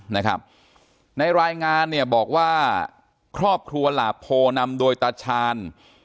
๕๖๓นะครับในรายงานเนี่ยบอกว่าครอบครัวหลักโผล่นำโดยตัดชาญ